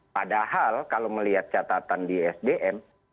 padahal kalau melihat catatan di sdm